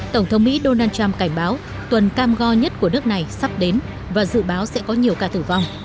tổng thống mỹ donald trump cảnh báo tuần cam go nhất của nước này sắp đến và dự báo sẽ có nhiều ca tử vong